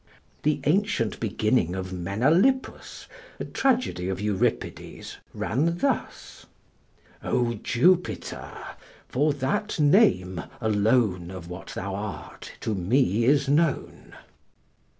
The ancient beginning of 'Menalippus', a tragedy of Euripides, ran thus: "O Jupiter! for that name alone Of what thou art to me is known."